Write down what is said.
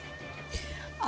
kau itu keturunan ini ya